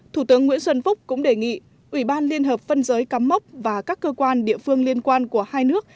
thủ tướng nguyễn xuân phúc cũng đề nghị ủy ban liên hợp phân giới cắm mốc và các cơ quan địa phương liên quan của hai nước